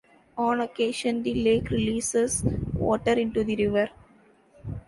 On occasion, the lake releases water into the river.